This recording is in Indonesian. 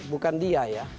bukan dia ya